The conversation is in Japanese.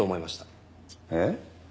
えっ？